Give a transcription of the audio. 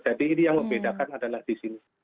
jadi ini yang membedakan adalah di sini